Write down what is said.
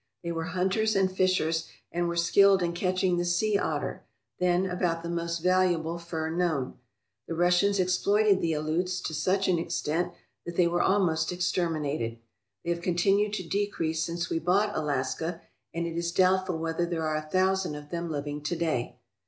They were hunters and fishers and were skilled in catching the sea otter, then about the most valuable fur known. The Russians exploited the Aleuts to such an extent that they were almost exterminated. They have continued to decrease since we bought Alaska, and it is doubtful whether there are a thousand of them living to day.